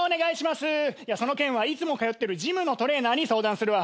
いやその件はいつも通ってるジムのトレーナーに相談するわ。